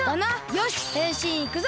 よしへんしんいくぞ！